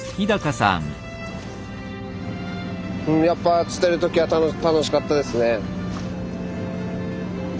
やっぱ釣ってる時は楽しかったですね。